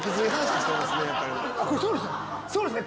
そうですね